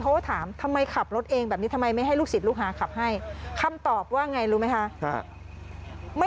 เพราะฉะนั้นแสดงว่ามีมากกว่าหนึ่งเอาไปฟังกันหน่อยค่ะ